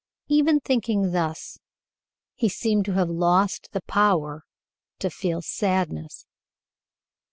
Even thinking thus he seemed to have lost the power to feel sadness.